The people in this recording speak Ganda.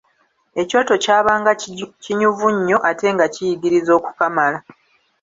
Ekyoto kyabanga kinyuvu nnyo ate nga kiyigiriza okukamala!